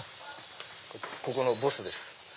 ここのボスです。